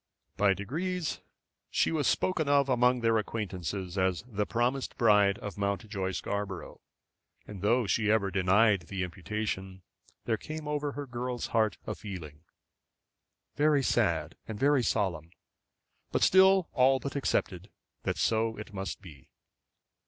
By degrees she was spoken of among their acquaintance as the promised bride of Mountjoy Scarborough, and though she ever denied the imputation, there came over her girl's heart a feeling, very sad and very solemn, but still all but accepted, that so it must be.